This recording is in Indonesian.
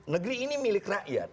negeri ini milik rakyat